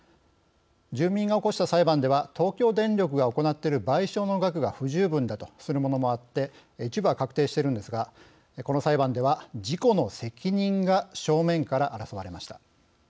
住民が起こした裁判では東京電力が行っている賠償の額が不十分だとするものもあって一部は確定しているんですがこの裁判では、事故の責任が正面から争われました。